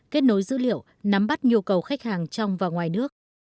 kết nối dữ liệu nắm bắt nhu cầu khách hàng trong và ngoài nước